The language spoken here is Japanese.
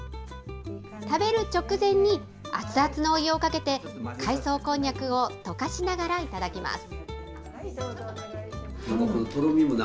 食べる直前に熱々のお湯をかけて、海藻こんにゃくを溶かしながら頂きます。